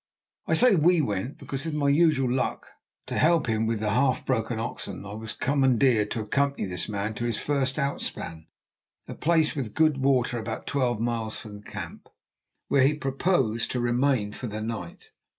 I say "we went" because with my usual luck, to help him with the half broken oxen, I was commandeered to accompany this man to his first outspan, a place with good water about twelve miles from the camp, where he proposed to remain for the night.